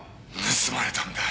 盗まれたんだ。